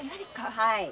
はい！